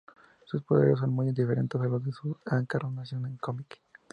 Sus poderes son muy diferentes a los de su encarnación en cómic.